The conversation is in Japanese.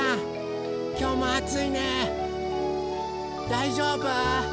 だいじょうぶ？